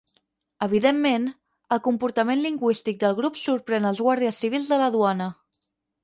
Evidentment, el comportament lingüístic del grup sorprèn els guàrdies civils de la duana.